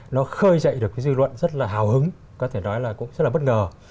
nó khơi dậy được cái dư luận rất là hào hứng có thể nói là cũng rất là bất ngờ